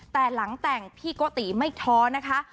แต่หลังแต่งพี่โกติไม่ท้อนะคะ